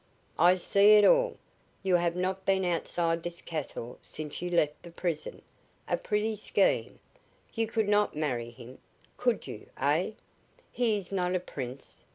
"I see it all! You have not been outside this castle since you left the prison. A pretty scheme! You could not marry him, could you, eh? He is not a prince!